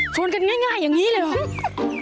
กันง่ายอย่างนี้เลยเหรอ